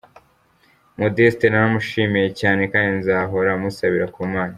Modeste naramushimiye cyane kandi nzahora musabira ku Mana.